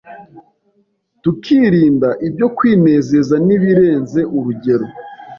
tukirinda ibyo kwinezeza n’ibirenze urugero;